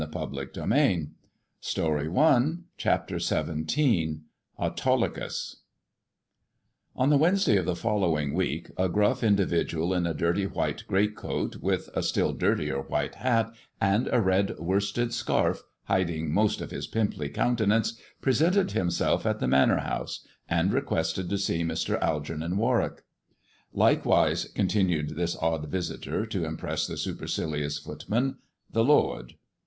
There !'' THE dwarf's chamber 131 CHAPTER XVII AUTOLYCUS ON the Wednesday of the following week a gruff in dividual in a dirty white great coat, with a still dirtier white hat and a red worsted scarf hiding most of his pimply countenance, presented himself at the Manor House, and requested to see Mr. Algernon Warwick. Likewise," continued this odd visitor, to impress the supercilious footman, "the lord."